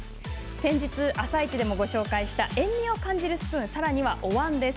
先日「あさイチ」でもご紹介しました、塩みを感じるスプーンさらに、おわんです。